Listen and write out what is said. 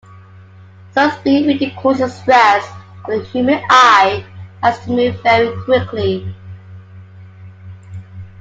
Some speed reading courses stress that the human eye has to move very quickly.